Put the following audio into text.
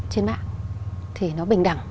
trên mạng thì nó bình đẳng